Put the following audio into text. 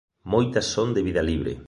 Moitas son de vida libre.